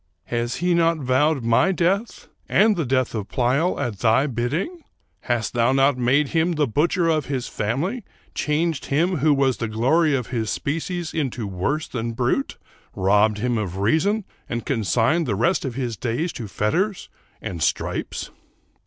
Has he not vowed my death, and the death of Pleyel, at thy bidding? Hast thou not made him the butcher of his family? — changed him who was the glory of his species into worse than brute? — robbed him of reason and con signed the rest of his days to fetters and stripes